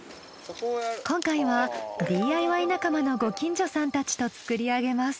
今回はＤＩＹ仲間のご近所さんたちと作り上げます。